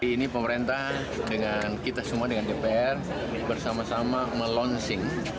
ini pemerintah dengan kita semua dengan dpr bersama sama melaunching